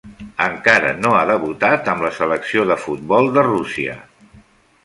Encara no ha debutat amb la Selecció de futbol de Rússia.